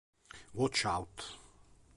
Watch Out